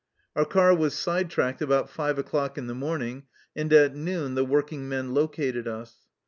Our car was sidetracked about й\е o'clock in the morning, and at noon the workingmen lo cated us.